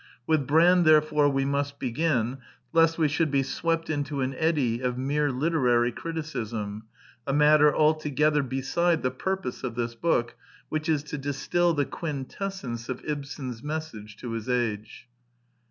With Brand therefore we must begin, lest we should be swept into an eddy of mere literary criticism, a matter altogether beside the purpose of this book, which is to distil the quintessence of Ibsen's mes sage to his age.